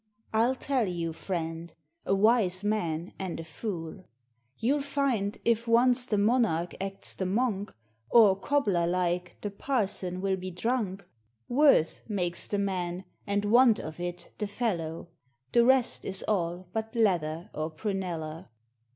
I '11 tell yon, friend ; a wise man and a fool. 284 POEMS OF 8EXTIMEXT. You '11 find, if once the monarch acts the monk, Or, cobbler like, the parson will be drunk, Worth makes the man, and want of it the fellow ; The rest is all but leather or prunella.